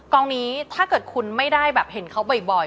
กองนี้ถ้าเกิดคุณไม่ได้แบบเห็นเขาบ่อย